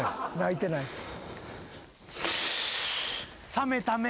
冷めた目。